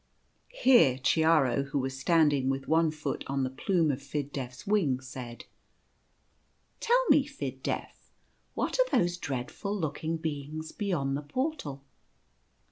Here Chiaro, who was standing with one foot on the plume of Fid Def 's wing, said :" Tell me, Fid Def, what are those dreadful looking Beings beyond the Portal